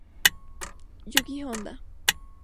Yuki Honda